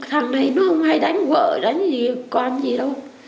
thằng này nó không hay đánh vợ đánh gì con gì đâu